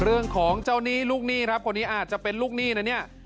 เรื่องของเจ้าหนี้ลูกหนี้ควรนี้อาจจะเป็นลูกหนี้